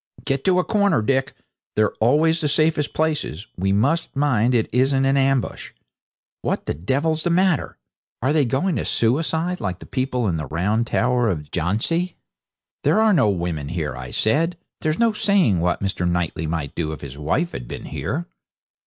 'Get to a corner, Dick; they're always the safest places. We must mind it isn't an ambush. What the devil's the matter? Are they going to suicide, like the people in the round tower of Jhansi?' 'There are no women here,' I said. 'There's no saying what Mr. Knightley might do if his wife had been here.'